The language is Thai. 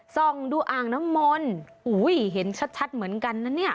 ส่องดูอ่างน้ำมนต์อุ้ยเห็นชัดเหมือนกันนะเนี่ย